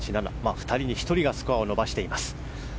２人に１人がスコアを伸ばしています。